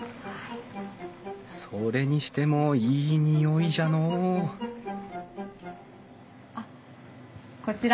それにしてもいい匂いじゃのうあっこちら